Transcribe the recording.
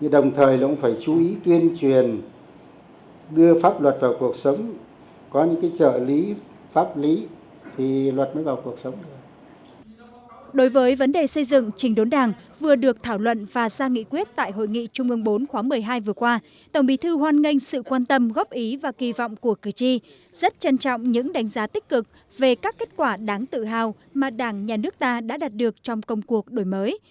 đối với vấn đề xây dựng trình đốn đảng vừa được thảo luận và ra nghị quyết tại hội nghị trung ương bốn khóa một mươi hai vừa qua tổng bí thư hoan nghênh sự quan tâm góp ý và kỳ vọng của cử tri rất trân trọng những đánh giá tích cực về các kết quả đáng tự hào mà đảng nhà nước ta đã đạt được trong công cuộc đổi mới